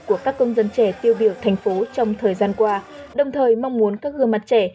của các công dân trẻ tiêu biểu thành phố trong thời gian qua đồng thời mong muốn các gương mặt trẻ